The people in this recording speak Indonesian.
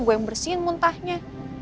gue yang bersihin muntahnya